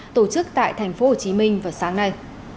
tổ chức tại tp hcm vào sáng nay